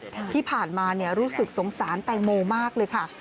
ที่ผ่านมาเนี่ยรู้สึกสงสารแตงโมมากเลยค่ะ